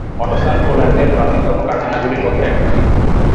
অটোসান পোল্যান্ডের প্রাচীনতম কারখানাগুলির মধ্যে একটি।